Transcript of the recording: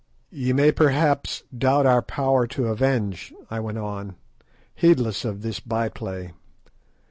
"Ye may perhaps doubt our power to avenge," I went on, heedless of this by play.